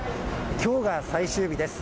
きょうが最終日です。